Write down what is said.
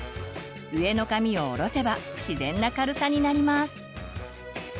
上の髪を下ろせば自然な軽さになります。